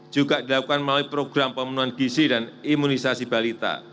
juga dilakukan melalui program pemenuhan gizi dan imunisasi balita